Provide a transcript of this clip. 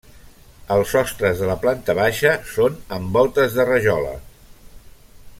Els sostres de la planta baixa són amb voltes de rajola.